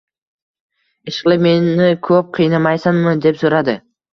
Ishqilib, meni ko‘p qiynamaysanmi? — deb so‘radi.